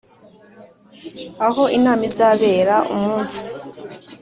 Aho inama izabera umunsi